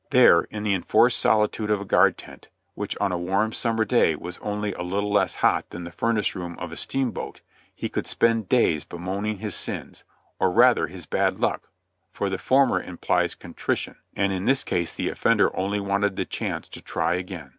There, in the enforced solitude of a guard tent, which on a warm summer's day was only a little less hot than the furnace room of a steamboat, he could spend days bemoaning his sins, or rather his bad luck, for the former implies contrition, and in this case the offender only wanted the chance to try again.